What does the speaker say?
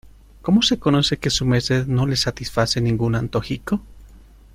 ¡ cómo se conoce que su merced no le satisface ningún antojico!